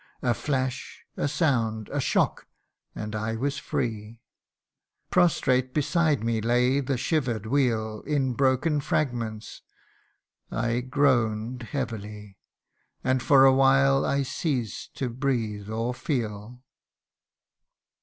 A flash a sound a shock and I was free Prostrate beside me lay the shiver'd wheel In broken fragments I groan'd heavily, And for a while I ceased to breathe or feel.